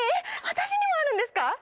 私にもあるんですか？